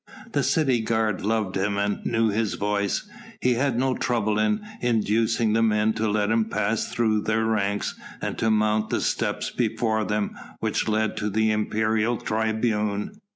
The city guard loved him and knew his voice. He had no trouble in inducing the men to let him pass through their ranks and to mount the steps before them which led to the imperial tribune.